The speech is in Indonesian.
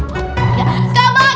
gendong gak bakaran